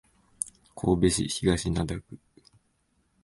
神戸市東灘区